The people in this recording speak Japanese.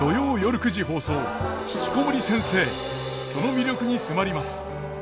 その魅力に迫ります。